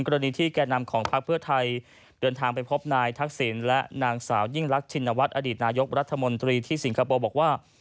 กรณีที่แก่นำของพักเพื่อไทยเดินทางไปพบนายทักษิณและนางสาวยิ่งรักชินวัฒน์อดีตนายกรัฐมนตรีที่สิงคโปร์บอกว่า